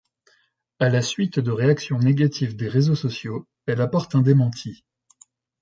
À la suite de réactions négatives des réseaux sociaux, elle apporte un démenti.